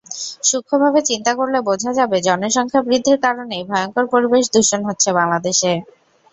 সূক্ষ্মভাবে চিন্তা করলে বোঝা যাবে, জনসংখ্যা বৃদ্ধির কারণেই ভয়ংকর পরিবেশদূষণ হচ্ছে বাংলাদেশে।